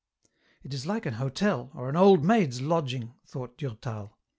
'* It is like an hotel, or an old maid's lodging," thought Durtal.